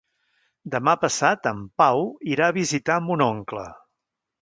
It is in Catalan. Demà passat en Pau irà a visitar mon oncle.